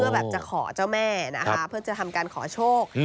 แบบจะขอเจ้าแม่นะคะเพื่อจะทำการขอโชค